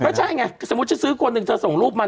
ไม่ใช่ไงสมมุติเช่าซื้อคนอื่นเธอส่งรูปมา